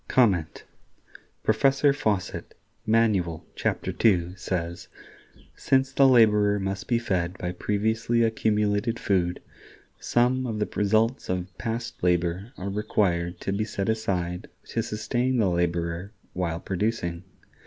Professor Fawcett, "Manual" (chap. ii), says: "Since the laborer must be fed by previously accumulated food, ... some of the results of past labor are required to be set aside to sustain the laborer while producing.